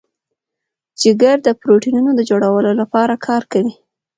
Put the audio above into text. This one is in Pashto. جگر د پروټینونو د جوړولو لپاره کار کوي.